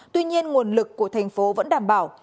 tuy nhiên nguồn lực của thành phố vẫn đảm bảo